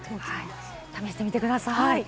試してみてください。